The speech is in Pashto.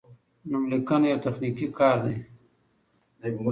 نوملیکنه یو تخنیکي کار دی.